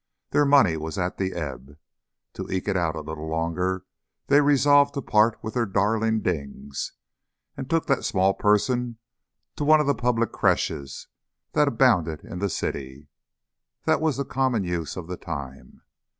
Their money was at the ebb. To eke it out a little longer they resolved to part with their darling Dings, and took that small person to one of the public creches that abounded in the city. That was the common use of the time.